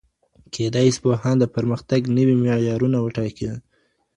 کېدای سي پوهان د پرمختګ نوي معيارونه وټاکي.